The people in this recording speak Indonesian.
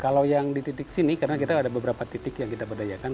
kalau yang di titik sini karena kita ada beberapa titik yang kita berdayakan